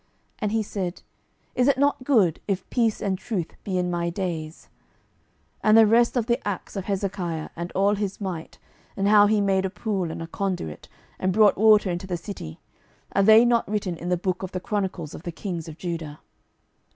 And he said, Is it not good, if peace and truth be in my days? 12:020:020 And the rest of the acts of Hezekiah, and all his might, and how he made a pool, and a conduit, and brought water into the city, are they not written in the book of the chronicles of the kings of Judah?